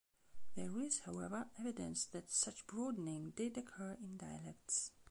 There is, however, evidence that such broadening did occur in dialects.